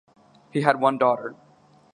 He had one daughter.